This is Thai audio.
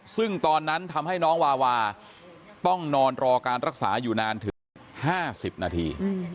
ซึ่งตอนนั้นทำให้น้องวาวาต้องนอนรอการรักษาอยู่นานถึง๕๐นาที